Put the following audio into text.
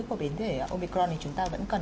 của biến thể omicron thì chúng ta vẫn cần